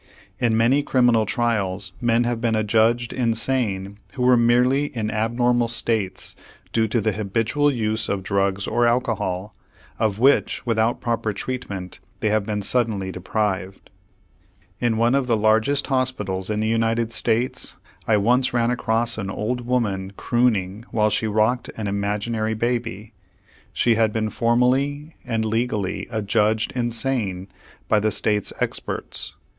In many criminal trials men have been adjudged insane who were merely in abnormal states due to the habitual use of drugs or alcohol, of which, without proper treatment, they have been suddenly deprived. In one of the largest hospitals in the United States I once ran across an old woman crooning while she rocked an imaginary baby. She had been formally and legally adjudged insane by the State's experts.